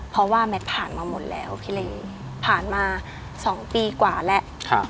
เพราะว่าแมทผ่านมาหมดแล้วพี่เลผ่านมา๒ปีกว่าแล้ว